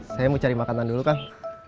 saya mau cari makanan dulu kang